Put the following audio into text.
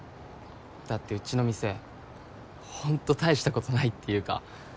だってうちの店ホント大したことないっていうか